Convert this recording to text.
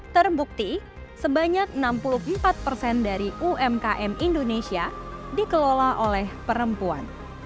terbukti sebanyak enam puluh empat persen dari umkm indonesia dikelola oleh perempuan